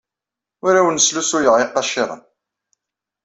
Ur awen-slusuyeɣ iqaciren.